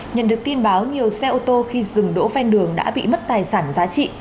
nhận được tin báo nhiều xe ô tô khi dừng đỗ ven đường đã bị mất tài sản giá trị